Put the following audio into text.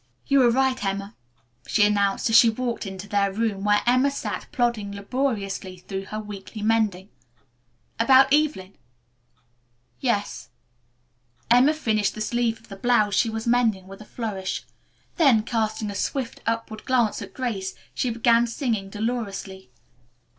"You were right, Emma," she announced as she walked into their room where Emma sat plodding laboriously through her weekly mending. "About Evelyn?" "Yes." Emma finished the sleeve of the blouse she was mending with a flourish. Then, casting a swift, upward glance at Grace, she began singing dolorously.